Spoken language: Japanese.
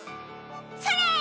それ！